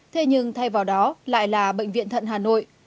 thế nhưng thay vào đó lại là bệnh viện thận hà nội